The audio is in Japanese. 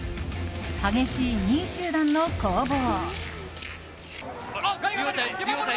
激しい２位集団の攻防。